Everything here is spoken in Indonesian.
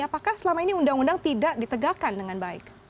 apakah selama ini undang undang tidak ditegakkan dengan baik